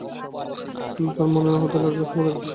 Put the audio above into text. তাঁর মনে হতে লাগল, সমাধান নেই।